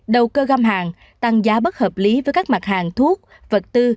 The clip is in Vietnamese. đầu cơ găm hàng tăng giá bất hợp lý với các mặt hàng thuốc vật tư